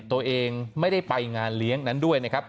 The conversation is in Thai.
ตัวเองไม่ได้ไปงานเลี้ยงนั้นด้วยนะครับ